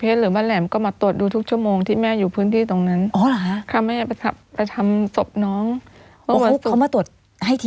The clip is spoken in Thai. เขามาตรวจให้ถี่ขนาดนั้นเลยใช่ไหม